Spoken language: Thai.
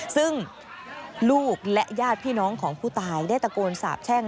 ซึ่งลูกและญาติพี่น้องของผู้ตายได้ตะโกนสาบแช่ง